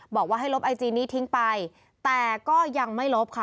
บอกว่าให้ลบไอจีนี้ทิ้งไปแต่ก็ยังไม่ลบค่ะ